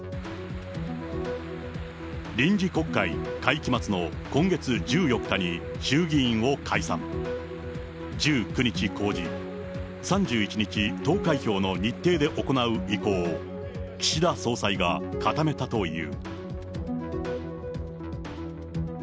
臨時国会会期末の今月１４日に衆議院を解散、１９日公示、３１日投開票の日程で行う意向を、岸田総裁が固めたという。